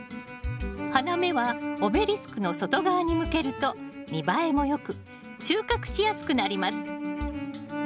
花芽はオベリスクの外側に向けると見栄えも良く収穫しやすくなります